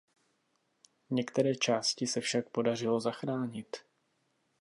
Některé části se však podařilo zachránit.